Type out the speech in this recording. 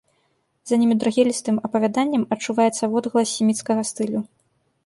За немудрагелістым апавяданнем адчуваецца водгалас семіцкага стылю.